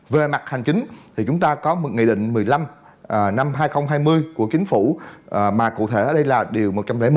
về mặt hành chính thì chúng ta có một nghị định một mươi năm năm hai nghìn hai mươi của chính phủ mà cụ thể ở đây là điều một trăm linh một